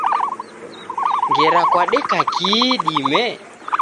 Ngera kwadeka kihi idime?